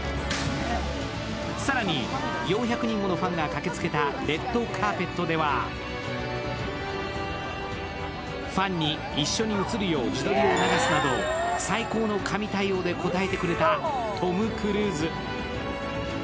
更に４００人ものファンが駆けつけたレッドカーペットではファンに一緒に写るよう自撮りを促すなど、最高の神対応で応えてくれたトム・クルーズ。